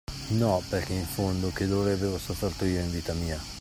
No: perché, in fondo, che dolori avevo sofferto io, in vita mia?